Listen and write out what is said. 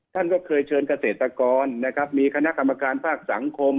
ท่านก็เคยเชิญเกษตรกรนะครับมีคณะกรรมการภาคสังคม